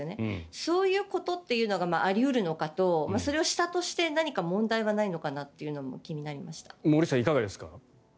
そういうことがあり得るのかとそれをしたとして何か問題がないのかなというのも森内さん、いかがですか？